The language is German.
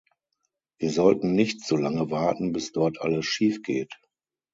Wir sollten nicht solange warten, bis dort alles schiefgeht.